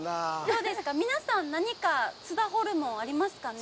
皆さん、何か津田ホルモンありますかね？